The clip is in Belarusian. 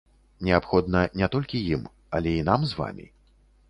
Неабходна не толькі ім, але і нам з вамі.